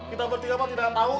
kita bertiga kok tidak tahu